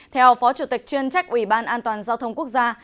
theo phó chủ tịch chuyên trách ủy ban an toàn giao thông quốc gia